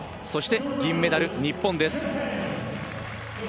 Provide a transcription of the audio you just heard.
そして銀メダル、日本です。